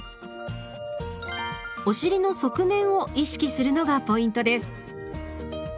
お尻の側面を意識するのがポイントです。